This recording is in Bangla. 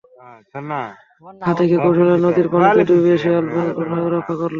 তারপর হাতিকে কৌশলে নদীর পানিতে ডুবিয়ে শেয়াল বনের পশুপাখিকে রক্ষা করল।